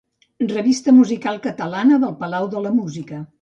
“Revista Musical Catalana” del Palau de la Música.